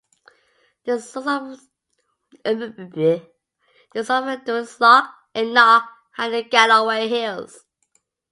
The source of the Doon is Loch Enoch, high in the Galloway Hills.